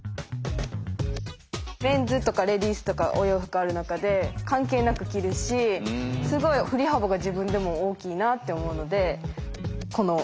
メンズとかレディースとかお洋服ある中で関係なく着るしすごい振り幅が自分でも大きいなって思うのでこの真ん中ぐらいにしました。